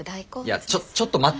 いやちょちょっと待って。